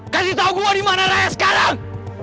ganti tau gue di mana raya sekarang